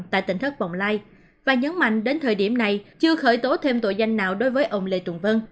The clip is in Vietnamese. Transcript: tại tỉnh thất bồng lai và nhấn mạnh đến thời điểm này chưa khởi tố thêm tội danh nào đối với ông lê tùng vân